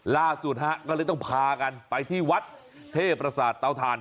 ราสุทธก็เลยต้องพากันไปที่วัดเทพรศตเต้าทาน